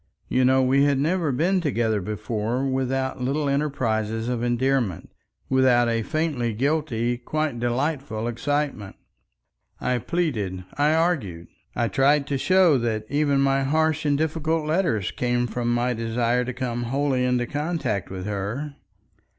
You know, we had never been together before without little enterprises of endearment, without a faintly guilty, quite delightful excitement. I pleaded, I argued. I tried to show that even my harsh and difficult letters came from my desire to come wholly into contact with her.